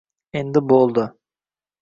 Endi bo‘ldi.